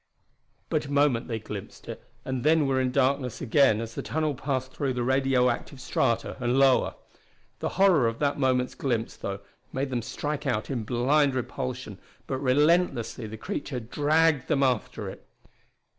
But a moment they glimpsed it and then were in darkness again as the tunnel passed through the radio active strata and lower. The horror of that moment's glimpse, though, made them strike out in blind repulsion, but relentlessly the creature dragged them after it.